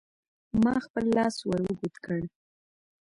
ما خپل لاس ور اوږد کړ.